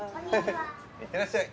いってらっしゃい。